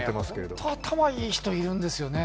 ホント頭いい人、いるんですよね。